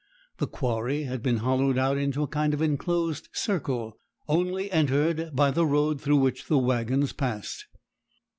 The quarry had been hollowed out into a kind of enclosed circle, only entered by the road through which the waggons passed.